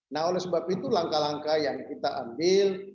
nah oleh sebab itu langkah langkah yang kita ambil